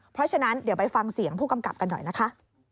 เพราะฉะนั้นเดี๋ยวไปฟังเสียงผู้กำกับกันหน่อยนะคะ